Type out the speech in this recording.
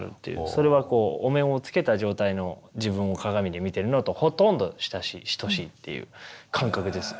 それはお面をつけた状態の自分を鏡で見てるのとほとんど等しいっていう感覚です。